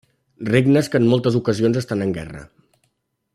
Regnes que en moltes ocasions estan en guerra.